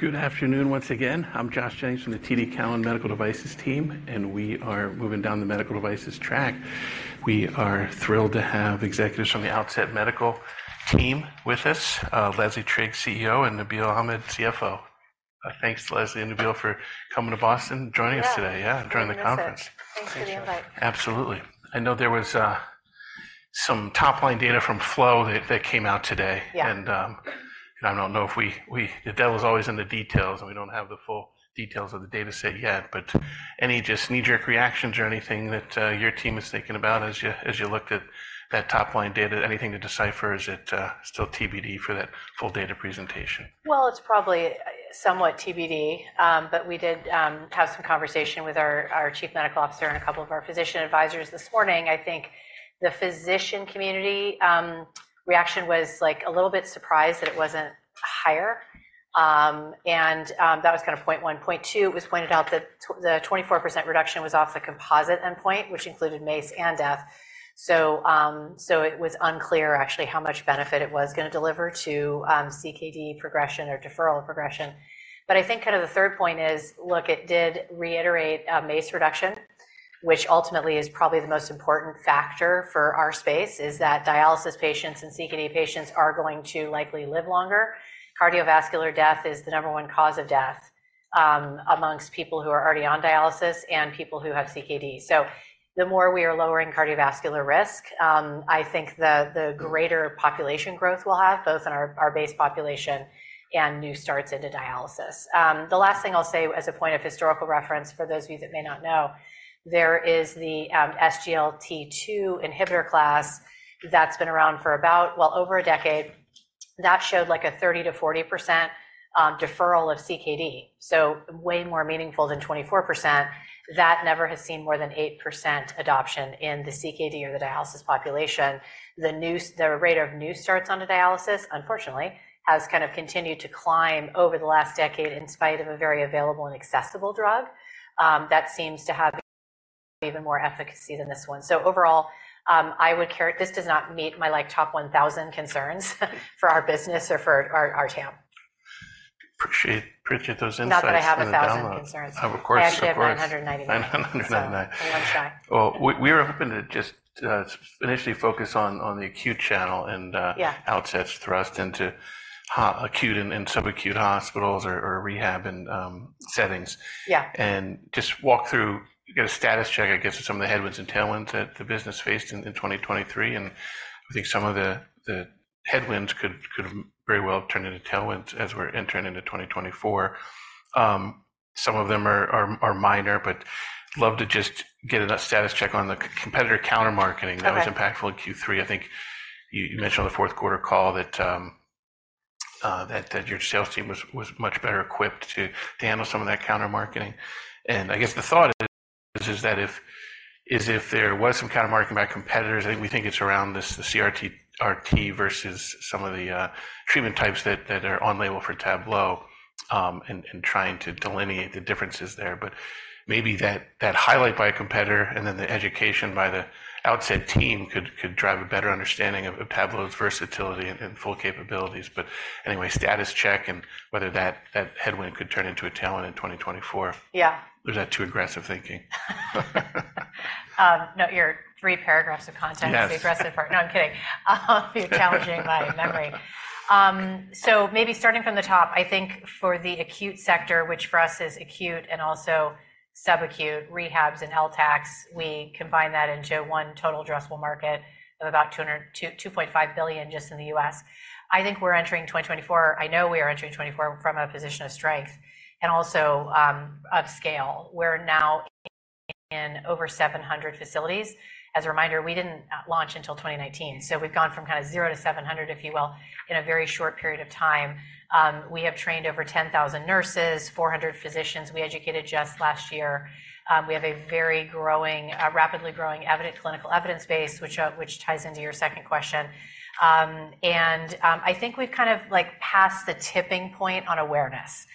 Good afternoon once again. I'm Josh Jennings from the TD Cowen Medical Devices team, and we are moving down the medical devices track. We are thrilled to have executives from the Outset Medical team with us, Leslie Trigg, CEO, and Nabeel Ahmed, CFO. Thanks, Leslie and Nabeel, for coming to Boston, joining us today. Yeah, joining the conference. Thanks for the invite. Absolutely. I know there was some top-line data from FLOW that came out today, and I don't know, the devil's always in the details, and we don't have the full details of the data set yet. But any just knee-jerk reactions or anything that your team is thinking about as you looked at that top-line data? Anything to decipher? Is it still TBD for that full data presentation? Well, it's probably somewhat TBD, but we did have some conversation with our chief medical officer and a couple of our physician advisors this morning. I think the physician community reaction was a little bit surprised that it wasn't higher. And that was kind of point one. Point two, it was pointed out that the 24% reduction was off the composite endpoint, which included MACE and death. So it was unclear, actually, how much benefit it was going to deliver to CKD progression or deferral progression. But I think kind of the third point is, look, it did reiterate MACE reduction, which ultimately is probably the most important factor for our space, is that dialysis patients and CKD patients are going to likely live longer. Cardiovascular death is the number one cause of death amongst people who are already on dialysis and people who have CKD. So the more we are lowering cardiovascular risk, I think the greater population growth we'll have, both in our base population and new starts into dialysis. The last thing I'll say as a point of historical reference for those of you that may not know, there is the SGLT2 inhibitor class that's been around for about, well, over a decade. That showed like a 30%-40% deferral of CKD, so way more meaningful than 24%. That never has seen more than 8% adoption in the CKD or the dialysis population. The rate of new starts onto dialysis, unfortunately, has kind of continued to climb over the last decade in spite of a very available and accessible drug that seems to have even more efficacy than this one. So overall, I would care this does not meet my top 1,000 concerns for our business or for our TAM. Appreciate those insights. Not that I have 1,000 concerns. Of course. Of course. I actually have 199. 199. One shy. Well, we were hoping to just initially focus on the acute channel and Outset's thrust into acute and subacute hospitals or rehab and settings, and just walk through, get a status check, I guess, of some of the headwinds and tailwinds that the business faced in 2023. And I think some of the headwinds could very well turn into tailwinds as we're entering into 2024. Some of them are minor, but love to just get a status check on the competitor counter-marketing that was impactful in Q3. I think you mentioned on the fourth-quarter call that your sales team was much better equipped to handle some of that counter-marketing. And I guess the thought is that if there was some counter-marketing by competitors, I think we think it's around the CRRT versus some of the treatment types that are on label for Tablo and trying to delineate the differences there. But maybe that highlight by a competitor and then the education by the Outset team could drive a better understanding of Tablo's versatility and full capabilities. But anyway, status check and whether that headwind could turn into a tailwind in 2024. Is that too aggressive thinking? No, your three paragraphs of content, the aggressive part. No, I'm kidding. You're challenging my memory. So maybe starting from the top, I think for the acute sector, which for us is acute and also subacute, rehabs and LTACs, we combine that into one total addressable market of about $2.5 billion just in the U.S. I think we're entering 2024. I know we are entering 2024 from a position of strength and also of scale. We're now in over 700 facilities. As a reminder, we didn't launch until 2019. So we've gone from kind of 0 to 700, if you will, in a very short period of time. We have trained over 10,000 nurses, 400 physicians. We educated just last year. We have a very rapidly growing clinical evidence base, which ties into your second question. And I think we've kind of passed the tipping point on awareness.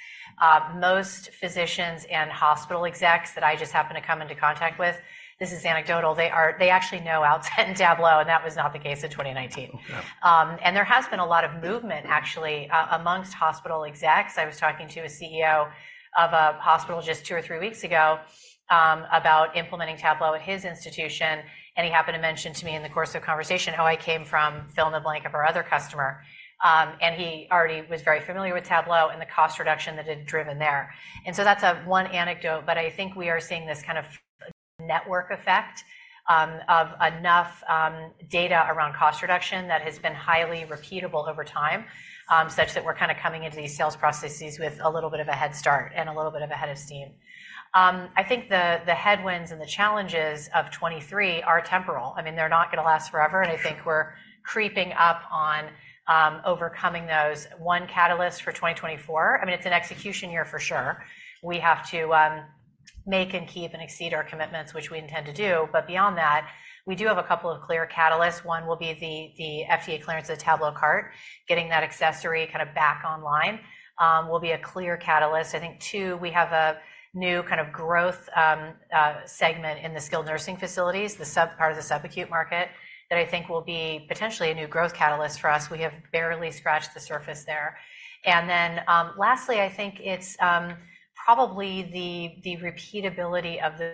Most physicians and hospital execs that I just happen to come into contact with, this is anecdotal, they actually know Outset and Tablo, and that was not the case in 2019. There has been a lot of movement, actually, amongst hospital execs. I was talking to a CEO of a hospital just two or three weeks ago about implementing Tablo at his institution. He happened to mention to me in the course of conversation, "Oh, I came from fill in the blank of our other customer." He already was very familiar with Tablo and the cost reduction that had driven there. That's one anecdote. I think we are seeing this kind of network effect of enough data around cost reduction that has been highly repeatable over time, such that we're kind of coming into these sales processes with a little bit of a head start and a little bit of a head of steam. I think the headwinds and the challenges of 2023 are temporal. I mean, they're not going to last forever. And I think we're creeping up on overcoming those. One catalyst for 2024, I mean, it's an execution year for sure. We have to make and keep and exceed our commitments, which we intend to do. But beyond that, we do have a couple of clear catalysts. One will be the FDA clearance of the TabloCart, getting that accessory kind of back online will be a clear catalyst. I think, two, we have a new kind of growth segment in the skilled nursing facilities, the part of the subacute market that I think will be potentially a new growth catalyst for us. We have barely scratched the surface there. And then lastly, I think it's probably the repeatability of the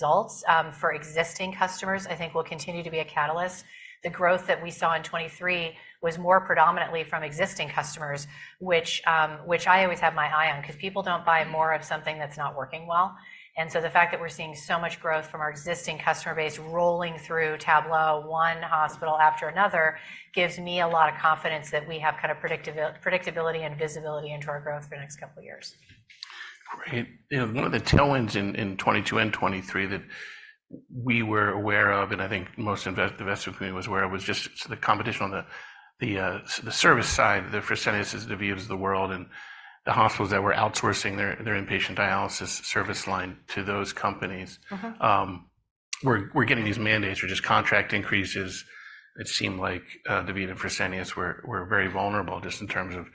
results for existing customers, I think, will continue to be a catalyst. The growth that we saw in 2023 was more predominantly from existing customers, which I always have my eye on because people don't buy more of something that's not working well. And so the fact that we're seeing so much growth from our existing customer base rolling through Tablo, one hospital after another, gives me a lot of confidence that we have kind of predictability and visibility into our growth for the next couple of years. Great. One of the tailwinds in 2022 and 2023 that we were aware of, and I think most investors in the community was aware of, was just the competition on the service side. The Freseniuses, DaVitas of the world. The hospitals that were outsourcing their inpatient dialysis service line to those companies were getting these mandates or just contract increases. It seemed like DaVita and Fresenius were very vulnerable just in terms of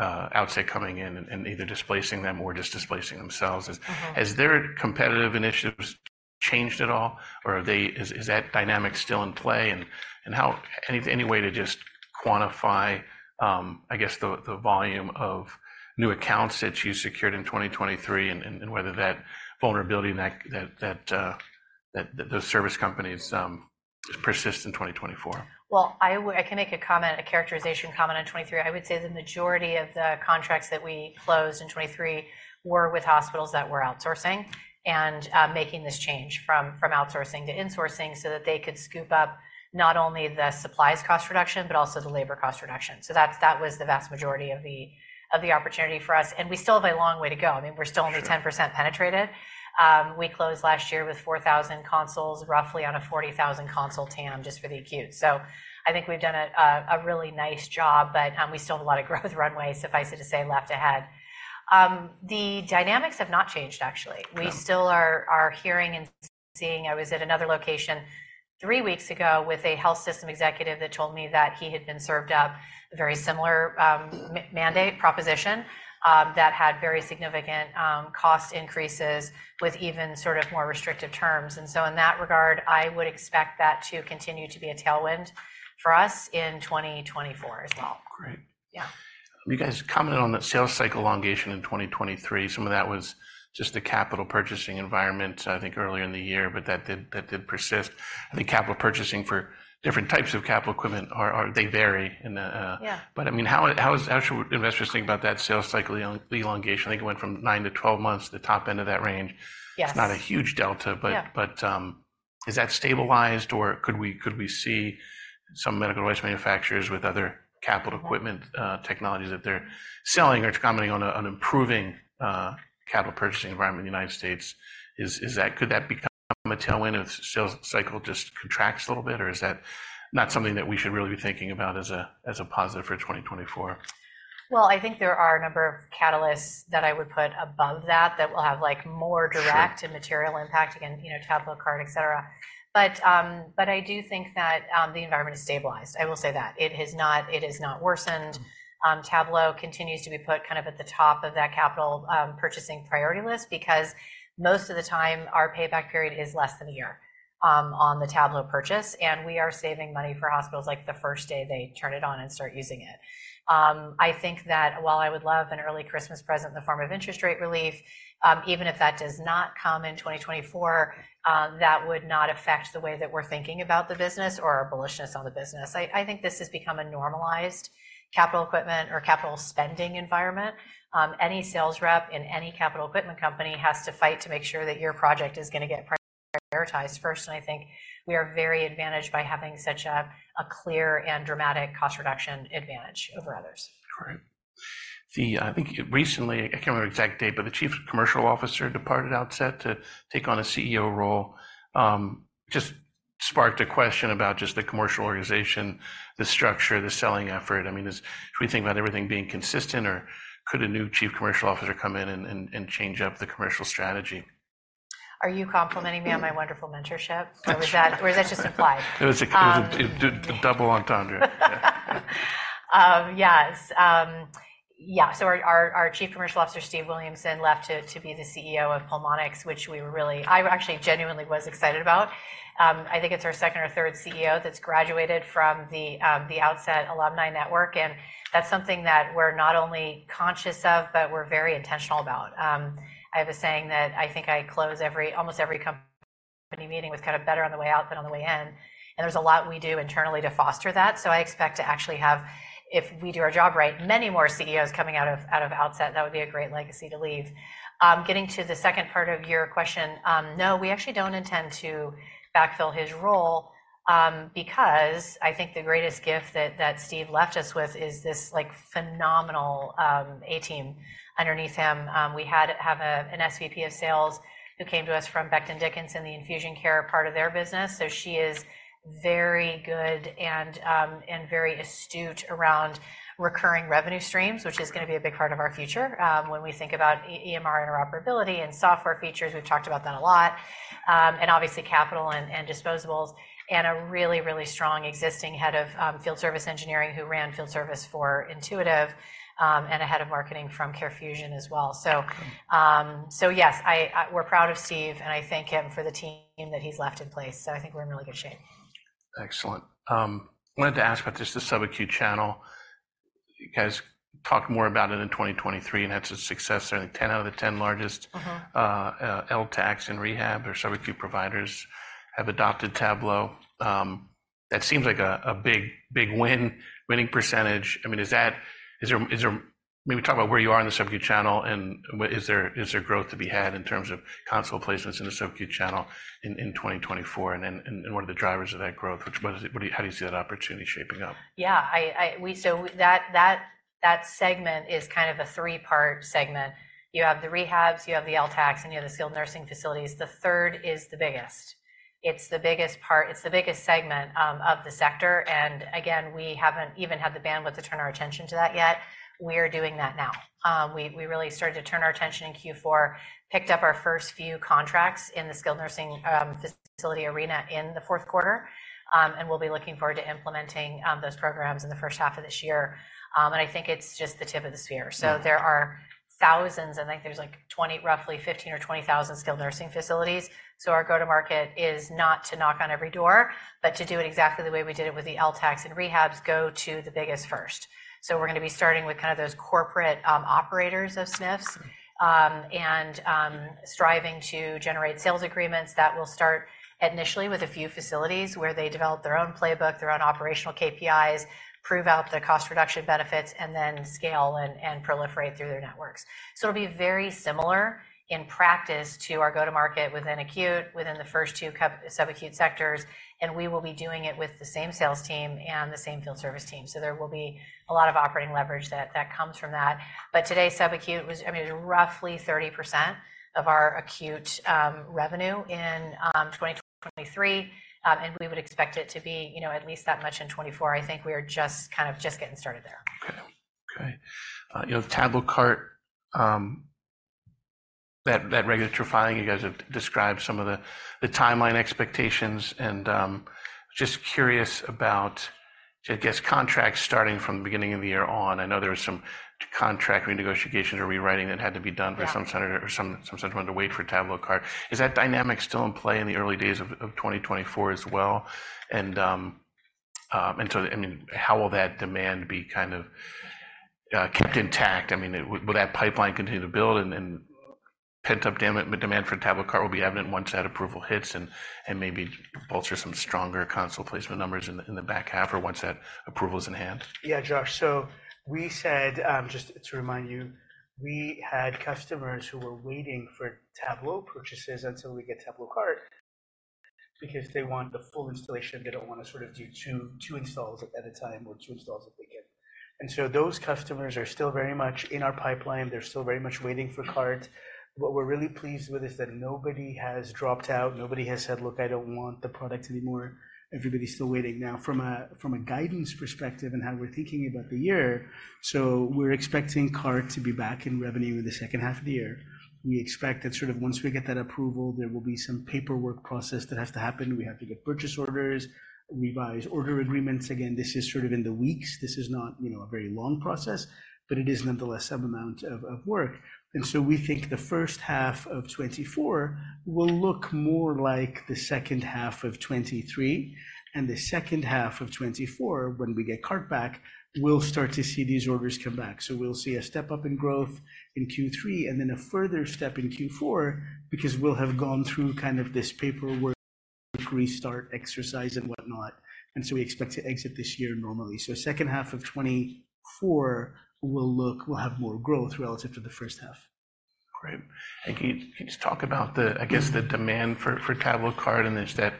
Outset coming in and either displacing them or just displacing themselves. Has their competitive initiatives changed at all, or is that dynamic still in play? And any way to just quantify, I guess, the volume of new accounts that you secured in 2023 and whether that vulnerability in those service companies persists in 2024? Well, I can make a characterization comment on 2023. I would say the majority of the contracts that we closed in 2023 were with hospitals that were outsourcing and making this change from outsourcing to insourcing so that they could scoop up not only the supplies cost reduction, but also the labor cost reduction. So that was the vast majority of the opportunity for us. And we still have a long way to go. I mean, we're still only 10% penetrated. We closed last year with 4,000 consoles, roughly on a 40,000 console TAM just for the acute. So I think we've done a really nice job, but we still have a lot of growth runway, suffice it to say, left ahead. The dynamics have not changed, actually. We still are hearing and seeing. I was at another location three weeks ago with a health system executive that told me that he had been served up a very similar mandate proposition that had very significant cost increases with even sort of more restrictive terms. And so in that regard, I would expect that to continue to be a tailwind for us in 2024 as well. Great. You guys commented on the sales cycle elongation in 2023. Some of that was just the capital purchasing environment, I think, earlier in the year, but that did persist. I think capital purchasing for different types of capital equipment, they vary. But I mean, how should investors think about that sales cycle elongation? I think it went from 9-12 months, the top end of that range. It's not a huge delta, but is that stabilized, or could we see some medical device manufacturers with other capital equipment technologies that they're selling or commenting on an improving capital purchasing environment in the United States? Could that become a tailwind if the sales cycle just contracts a little bit, or is that not something that we should really be thinking about as a positive for 2024? Well, I think there are a number of catalysts that I would put above that that will have more direct and material impact, again, TabloCart, etc. But I do think that the environment is stabilized. I will say that. It has not worsened. Tablo continues to be put kind of at the top of that capital purchasing priority list because most of the time, our payback period is less than a year on the Tablo purchase. And we are saving money for hospitals like the first day they turn it on and start using it. I think that while I would love an early Christmas present in the form of interest rate relief, even if that does not come in 2024, that would not affect the way that we're thinking about the business or our bullishness on the business. I think this has become a normalized capital equipment or capital spending environment. Any sales rep in any capital equipment company has to fight to make sure that your project is going to get prioritized first. I think we are very advantaged by having such a clear and dramatic cost reduction advantage over others. Great. I think recently, I can't remember the exact date, but the Chief Commercial Officer departed Outset to take on a CEO role. Just sparked a question about just the commercial organization, the structure, the selling effort. I mean, should we think about everything being consistent, or could a new Chief Commercial Officer come in and change up the commercial strategy? Are you complimenting me on my wonderful mentorship? Or was that just implied? It was a double entendre. Yes. Yeah. So our Chief Commercial Officer, Steve Williamson, left to be the CEO of Pulmonx, which I actually genuinely was excited about. I think it's our second or third CEO that's graduated from the Outset alumni network. And that's something that we're not only conscious of, but we're very intentional about. I have a saying that I think I close almost every company meeting with kind of better on the way out than on the way in. And there's a lot we do internally to foster that. So I expect to actually have, if we do our job right, many more CEOs coming out of Outset. That would be a great legacy to leave. Getting to the second part of your question, no, we actually don't intend to backfill his role because I think the greatest gift that Steve left us with is this phenomenal A team underneath him. We have an SVP of sales who came to us from Becton Dickinson, the infusion care part of their business. So she is very good and very astute around recurring revenue streams, which is going to be a big part of our future when we think about EMR interoperability and software features. We've talked about that a lot. Obviously, capital and disposables and a really, really strong existing head of field service engineering who ran field service for Intuitive and a head of marketing from CareFusion as well. So yes, we're proud of Steve, and I thank him for the team that he's left in place. So I think we're in really good shape. Excellent. Wanted to ask about just the subacute channel. You guys talked more about it in 2023 and had some success. I think ten out of the ten largest LTACs and rehab or subacute providers have adopted Tablo. That seems like a big winning percentage. I mean, is there maybe talk about where you are in the subacute channel, and is there growth to be had in terms of console placements in the subacute channel in 2024 and one of the drivers of that growth? How do you see that opportunity shaping up? Yeah. So that segment is kind of a three-part segment. You have the rehabs, you have the LTACs, and you have the skilled nursing facilities. The third is the biggest. It's the biggest part. It's the biggest segment of the sector. And again, we haven't even had the bandwidth to turn our attention to that yet. We are doing that now. We really started to turn our attention in Q4, picked up our first few contracts in the skilled nursing facility arena in the fourth quarter. And we'll be looking forward to implementing those programs in the first half of this year. And I think it's just the tip of the spear. So there are thousands. I think there's like 20, roughly 15 or 20 thousand skilled nursing facilities. So our go-to-market is not to knock on every door, but to do it exactly the way we did it with the LTACs and rehabs, go to the biggest first. So we're going to be starting with kind of those corporate operators of SNFs and striving to generate sales agreements that will start initially with a few facilities where they develop their own playbook, their own operational KPIs, prove out the cost reduction benefits, and then scale and proliferate through their networks. So it'll be very similar in practice to our go-to-market within acute, within the first two subacute sectors. And we will be doing it with the same sales team and the same field service team. So there will be a lot of operating leverage that comes from that. But today, subacute, I mean, it was roughly 30% of our acute revenue in 2023. We would expect it to be at least that much in 2024. I think we are just kind of getting started there. Okay. Okay. TabloCart, that regulatory filing, you guys have described some of the timeline expectations. And just curious about, I guess, contracts starting from the beginning of the year on. I know there were some contract renegotiations or rewriting that had to be done by some center or some center wanted to wait for TabloCart. Is that dynamic still in play in the early days of 2024 as well? And so, I mean, how will that demand be kind of kept intact? I mean, will that pipeline continue to build? And pent-up demand for TabloCart will be evident once that approval hits and maybe bolster some stronger console placement numbers in the back half or once that approval is in hand? Yeah, Josh. So we said, just to remind you, we had customers who were waiting for Tablo purchases until we get TabloCart because they want the full installation. They don't want to sort of do two installs at a time or two installs at the end. And so those customers are still very much in our pipeline. They're still very much waiting for cart. What we're really pleased with is that nobody has dropped out. Nobody has said, "Look, I don't want the product anymore." Everybody's still waiting. Now, from a guidance perspective and how we're thinking about the year, so we're expecting cart to be back in revenue in the second half of the year. We expect that sort of once we get that approval, there will be some paperwork process that has to happen. We have to get purchase orders, revise order agreements. Again, this is sort of in the weeks. This is not a very long process, but it is nonetheless some amount of work. We think the first half of 2024 will look more like the second half of 2023. The second half of 2024, when we get cart back, we'll start to see these orders come back. We'll see a step up in growth in Q3 and then a further step in Q4 because we'll have gone through kind of this paperwork restart exercise and whatnot. We expect to exit this year normally. Second half of 2024 will have more growth relative to the first half. Great. Can you just talk about, I guess, the demand for TabloCart and that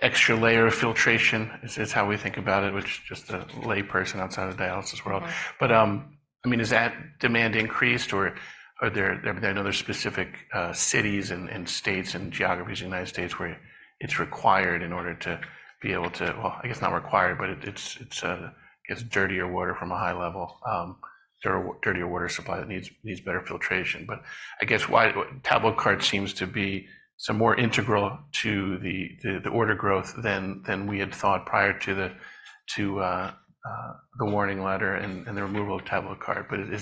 extra layer of filtration? It's how we think about it, which is just a layperson outside of dialysis world. But I mean, is that demand increased, or are there another specific cities and states and geographies in the United States where it's required in order to be able to well, I guess not required, but it's dirtier water from a high level, dirtier water supply that needs better filtration. But I guess why TabloCart seems to be some more integral to the order growth than we had thought prior to the warning letter and the removal of TabloCart. But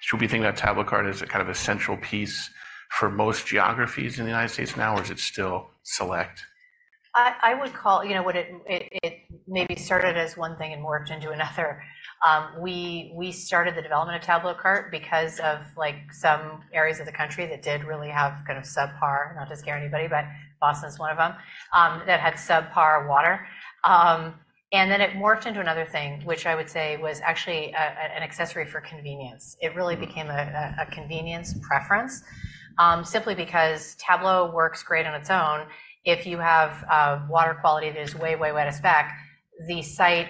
should we be thinking about TabloCart as kind of a central piece for most geographies in the United States now, or is it still select? I would call it what it maybe started as one thing and morphed into another. We started the development of TabloCart because of some areas of the country that did really have kind of subpar—not to scare anybody, but Boston is one of them—that had subpar water. And then it morphed into another thing, which I would say was actually an accessory for convenience. It really became a convenience preference simply because Tablo works great on its own. If you have water quality that is way, way better spec, the site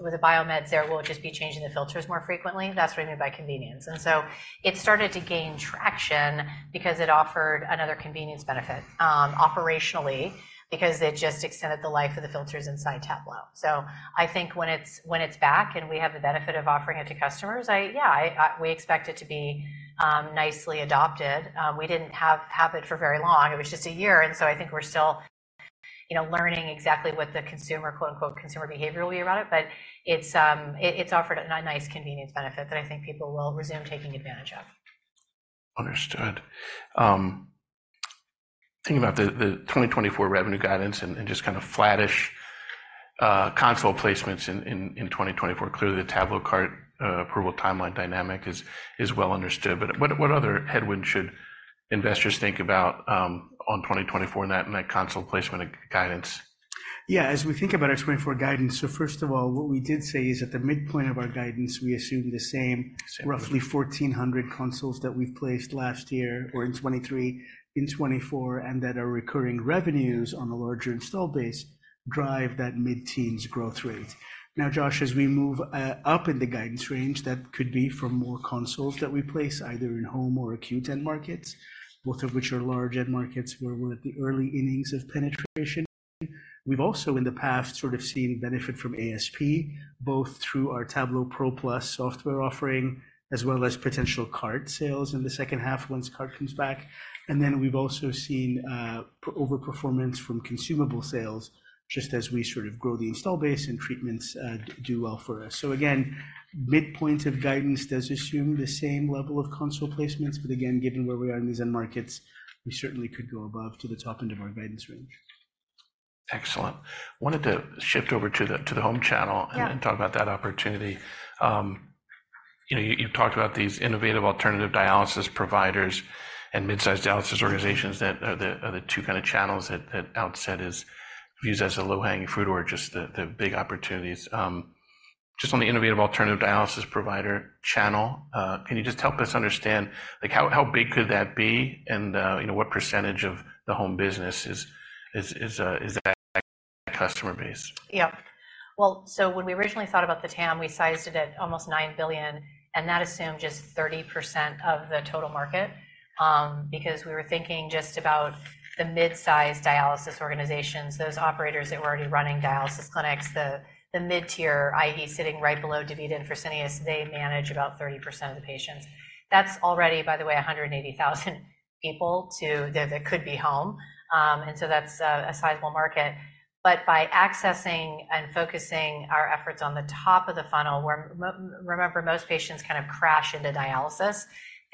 with the biomeds there will just be changing the filters more frequently. That's what I mean by convenience. And so it started to gain traction because it offered another convenience benefit operationally because it just extended the life of the filters inside Tablo. So I think when it's back and we have the benefit of offering it to customers, yeah, we expect it to be nicely adopted. We didn't have it for very long. It was just a year. And so I think we're still learning exactly what the "consumer" behavior will be about it. But it's offered a nice convenience benefit that I think people will resume taking advantage of. Understood. Thinking about the 2024 revenue guidance and just kind of flatish console placements in 2024, clearly, the TabloCart approval timeline dynamic is well understood. But what other headwinds should investors think about on 2024 in that console placement guidance? Yeah. As we think about our 2024 guidance, so first of all, what we did say is at the midpoint of our guidance, we assume the same, roughly 1,400 consoles that we've placed last year or in 2023, in 2024, and that are recurring revenues on a larger install base drive that mid-teens growth rate. Now, Josh, as we move up in the guidance range, that could be from more consoles that we place either in home or acute end markets, both of which are large end markets where we're at the early innings of penetration. We've also in the past sort of seen benefit from ASP, both through our Tablo Pro+ software offering, as well as potential cart sales in the second half once cart comes back. And then we've also seen overperformance from consumable sales just as we sort of grow the install base and treatments do well for us. So again, midpoint of guidance does assume the same level of console placements. But again, given where we are in these end markets, we certainly could go above to the top end of our guidance range. Excellent. Wanted to shift over to the home channel and talk about that opportunity. You've talked about these innovative alternative dialysis providers and midsize dialysis organizations that are the two kind of channels that Outset is viewed as a low-hanging fruit or just the big opportunities. Just on the innovative alternative dialysis provider channel, can you just help us understand how big could that be and what percentage of the home business is that customer base? Yep. Well, so when we originally thought about the TAM, we sized it at almost $9 billion. And that assumed just 30% of the total market because we were thinking just about the midsize dialysis organizations, those operators that were already running dialysis clinics, the mid-tier, i.e., sitting right below DaVita and Fresenius, they manage about 30% of the patients. That's already, by the way, 180,000 people that could be home. And so that's a sizable market. But by accessing and focusing our efforts on the top of the funnel, remember, most patients kind of crash into dialysis. They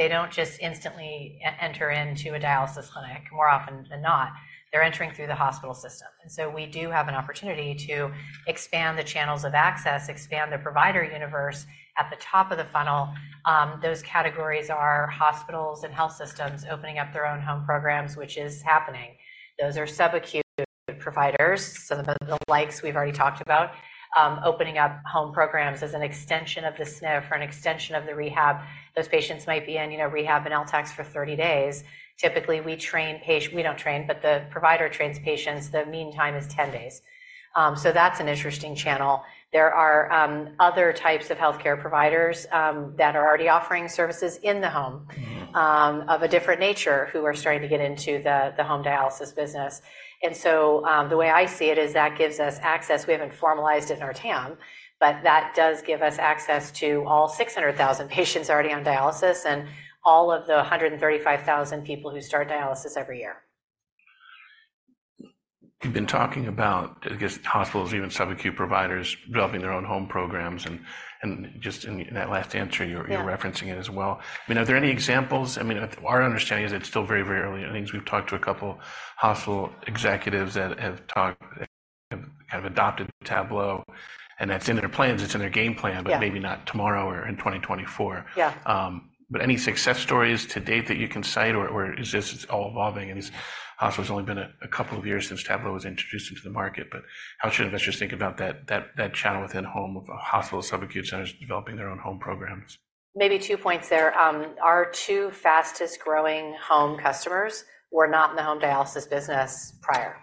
don't just instantly enter into a dialysis clinic more often than not. They're entering through the hospital system. And so we do have an opportunity to expand the channels of access, expand the provider universe at the top of the funnel. Those categories are hospitals and health systems opening up their own home programs, which is happening. Those are subacute providers, some of the likes we've already talked about, opening up home programs as an extension of the SNF or an extension of the rehab. Those patients might be in rehab and LTACs for 30 days. Typically, we train patients we don't train, but the provider trains patients. The meantime is 10 days. So that's an interesting channel. There are other types of healthcare providers that are already offering services in the home of a different nature who are starting to get into the home dialysis business. And so the way I see it is that gives us access we haven't formalized it in our TAM, but that does give us access to all 600,000 patients already on dialysis and all of the 135,000 people who start dialysis every year. You've been talking about, I guess, hospitals, even subacute providers developing their own home programs. And just in that last answer, you're referencing it as well. I mean, are there any examples? I mean, our understanding is it's still very, very early. I think we've talked to a couple of hospital executives that have kind of adopted Tablo, and that's in their plans. It's in their game plan, but maybe not tomorrow or in 2024. But any success stories to date that you can cite, or is this all evolving? And this hospital has only been a couple of years since Tablo was introduced into the market. But how should investors think about that channel within home of hospitals, subacute centers, developing their own home programs? Maybe two points there. Our two fastest-growing home customers were not in the home dialysis business prior.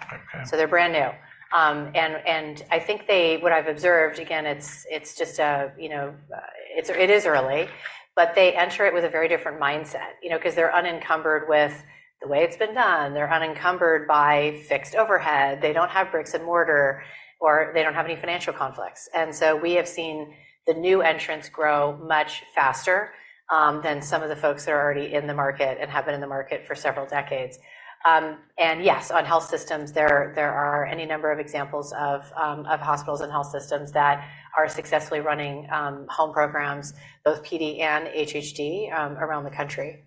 So they're brand new. And I think what I've observed, again, it's just that it is early. But they enter it with a very different mindset because they're unencumbered with the way it's been done. They're unencumbered by fixed overhead. They don't have bricks and mortar, or they don't have any financial conflicts. And so we have seen the new entrants grow much faster than some of the folks that are already in the market and have been in the market for several decades. And yes, on health systems, there are any number of examples of hospitals and health systems that are successfully running home programs, both PD and HHD, around the country.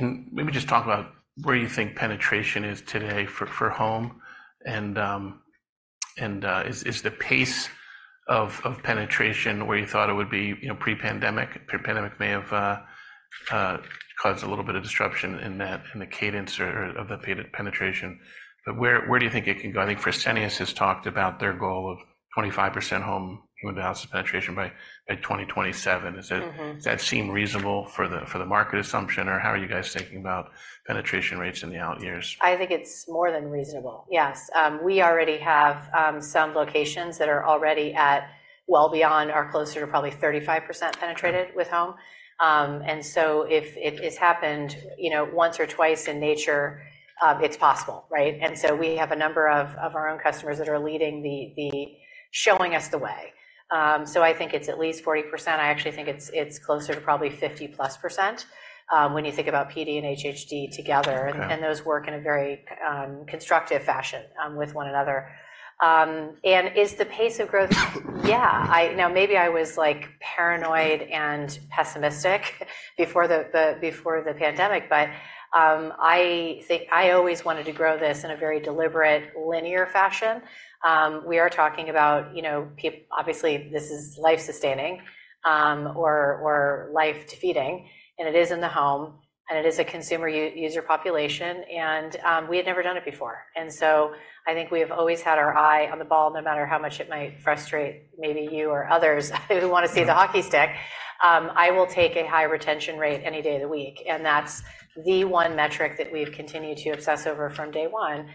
Let me just talk about where you think penetration is today for home. And is the pace of penetration where you thought it would be pre-pandemic? Pre-pandemic may have caused a little bit of disruption in the cadence of the penetration. But where do you think it can go? I think Fresenius has talked about their goal of 25% home hemodialysis penetration by 2027. Does that seem reasonable for the market assumption, or how are you guys thinking about penetration rates in the out years? I think it's more than reasonable. Yes. We already have some locations that are already well beyond or closer to probably 35% penetrated with home. And so if it has happened once or twice in nature, it's possible, right? And so we have a number of our own customers that are showing us the way. So I think it's at least 40%. I actually think it's closer to probably 50%+ when you think about PD and HHD together. And those work in a very constructive fashion with one another. And is the pace of growth? Yeah. Now, maybe I was paranoid and pessimistic before the pandemic, but I think I always wanted to grow this in a very deliberate, linear fashion. We are talking about obviously, this is life-sustaining or life-defeating. And it is in the home. And it is a consumer user population. We had never done it before. So I think we have always had our eye on the ball, no matter how much it might frustrate maybe you or others who want to see the hockey stick. I will take a high retention rate any day of the week. And that's the one metric that we've continued to obsess over from day one.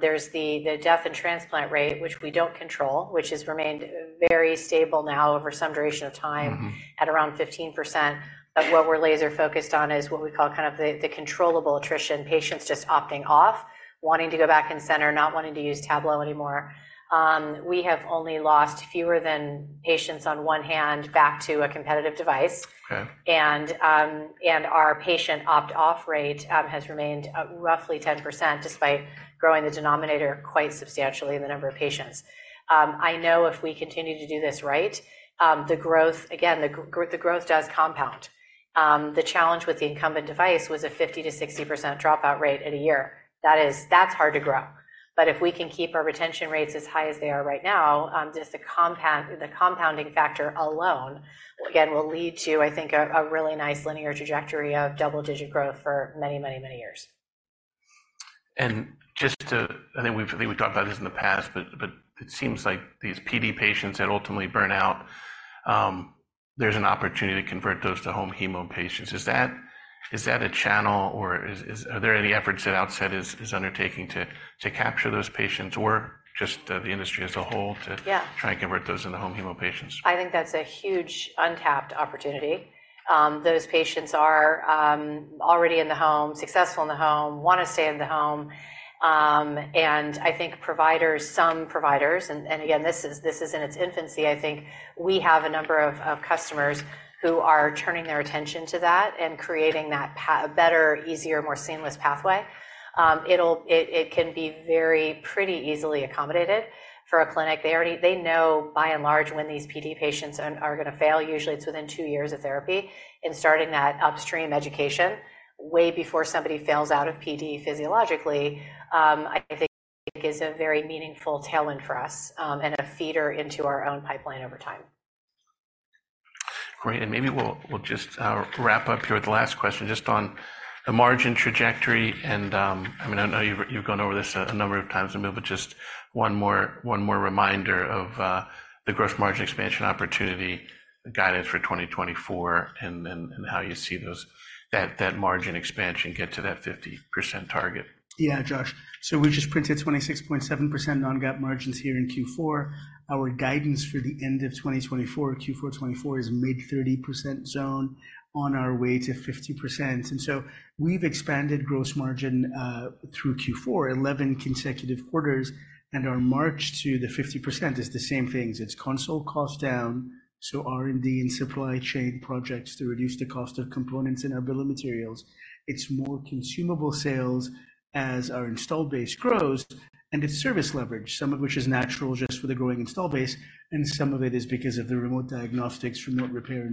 There's the death and transplant rate, which we don't control, which has remained very stable now over some duration of time at around 15%. But what we're laser-focused on is what we call kind of the controllable attrition, patients just opting off, wanting to go back in-center, not wanting to use Tablo anymore. We have only lost fewer than patients on one hand back to a competitive device. Our patient opt-off rate has remained roughly 10% despite growing the denominator quite substantially in the number of patients. I know if we continue to do this right, again, the growth does compound. The challenge with the incumbent device was a 50%-60% dropout rate at a year. That's hard to grow. But if we can keep our retention rates as high as they are right now, just the compounding factor alone, again, will lead to, I think, a really nice linear trajectory of double-digit growth for many, many, many years. I think we've talked about this in the past, but it seems like these PD patients that ultimately burn out, there's an opportunity to convert those to home hemo patients. Is that a channel, or are there any efforts that Outset is undertaking to capture those patients or just the industry as a whole to try and convert those into home hemo patients? I think that's a huge untapped opportunity. Those patients are already in the home, successful in the home, want to stay in the home. And I think some providers and again, this is in its infancy. I think we have a number of customers who are turning their attention to that and creating that better, easier, more seamless pathway. It can be very pretty easily accommodated for a clinic. They know by and large when these PD patients are going to fail. Usually, it's within two years of therapy. And starting that upstream education way before somebody fails out of PD physiologically, I think, is a very meaningful tailwind for us and a feeder into our own pipeline over time. Great. Maybe we'll just wrap up here with the last question just on the margin trajectory. I mean, I know you've gone over this a number of times in the middle, but just one more reminder of the gross margin expansion opportunity guidance for 2024 and how you see that margin expansion get to that 50% target. Yeah, Josh. So we just printed 26.7% non-GAAP margins here in Q4. Our guidance for the end of 2024, Q4 2024, is mid-30% zone on our way to 50%. And so we've expanded gross margin through Q4, 11 consecutive quarters. And our march to the 50% is the same things. It's console cost down. So R&D and supply chain projects to reduce the cost of components and our bill of materials. It's more consumable sales as our install base grows. And it's service leverage, some of which is natural just with a growing install base. And some of it is because of the remote diagnostics, remote repair.